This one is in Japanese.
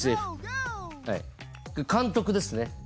監督ですね。